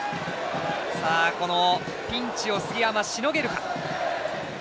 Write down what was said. このピンチを杉山、しのげるか。